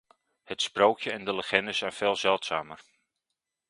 Het sprookje en de legende zijn veel zeldzamer.